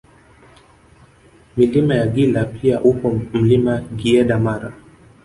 Milima ya Gila pia upo Mlima Giyeda Mara